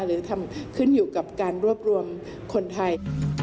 หรือทำขึ้นอยู่กับการรวบรวมคนไทย